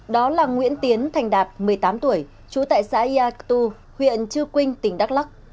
đó là nguyễn tiến thành đạt một mươi tám tuổi trú tại xã yactu huyện chư quynh tỉnh đắk lắc